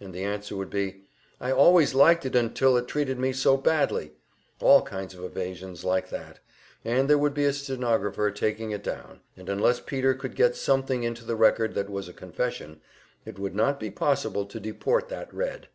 And the answer would be, "I always liked it until it treated me so badly" all kinds of evasions like that, and there would be a stenographer taking it down, and unless Peter could get something into the record that was a confession, it would not be possible to deport that Red.